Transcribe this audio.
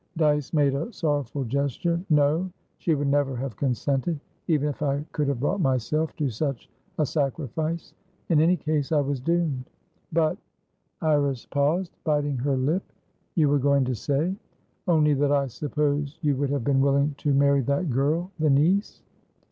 Dyce made a sorrowful gesture. "No. She would never have consented, even if I could have brought myself to such a sacrifice. In any case, I was doomed." "But" Iris paused, biting her lip. "You were going to say?" "Onlythat I suppose you would have been willing to marry that girl, the niece."